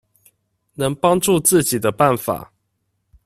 能幫助自己的辦法